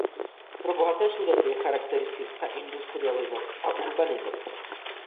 Pro Bohaté Sudety je charakteristická industrializace a urbanizace.